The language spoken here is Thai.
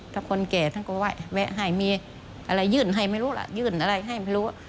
ถ้าคนแก่ท่านก็ไหว้แวะให้มีอะไรยื่นให้ไม่รู้ล่ะยื่นอะไรให้ไม่รู้